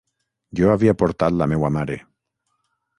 Jo havia portat la meua mare.